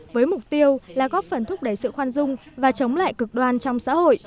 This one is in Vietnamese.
với mục tiêu là góp phần thúc đẩy sự khoan dung và chống lại cực đoan trong xã hội